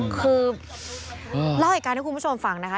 คือเล่าเหตุการณ์ให้คุณผู้ชมฟังนะคะ